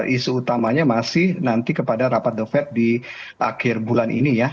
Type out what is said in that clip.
isu utamanya masih nanti kepada rapat the fed di akhir bulan ini ya